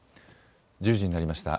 １０時になりました。